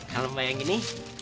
kalau mbak yang gini